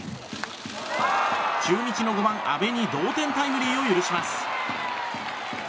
中日の５番、阿部に同点タイムリーを許します。